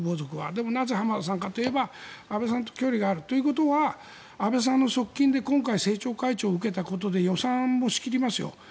でもなぜ浜田さんかといえば安倍さんと距離があるということは安倍さんの側近で今回、政調会長を受けたことで予算も仕切りますよ。